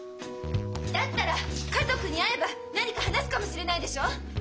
だったら家族に会えば何か話すかもしれないでしょう？